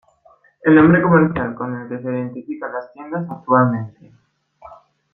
El nombre comercial con el que se identifican las tiendas actualmente.